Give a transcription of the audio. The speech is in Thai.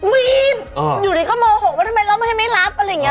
มีดอยู่ดีก็โมโหว่าทำไมเราไม่ให้ไม่รับอะไรอย่างนี้